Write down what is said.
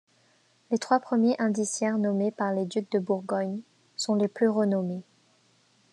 Les trois premiers indiciaires nommés par les ducs de Bourgogne sont les plus renommés.